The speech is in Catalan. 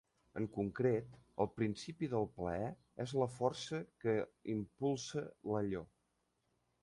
En concret, el principi del plaer és la força que impulsa l'"allò".